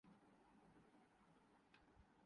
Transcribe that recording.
Kazakhstan